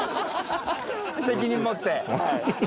責任持ってはい。